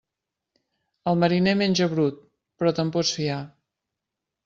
El mariner menja brut, però te'n pots fiar.